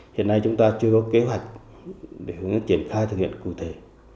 hiện nay chúng ta chưa có kế hoạch để triển khai thực hiện cụ thể